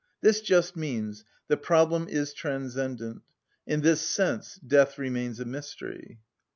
This just means: the problem is transcendent. In this sense death remains a mystery.